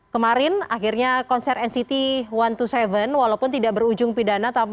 kemarin akhirnya konser nct satu ratus dua puluh tujuh walaupun tidak berujung pidana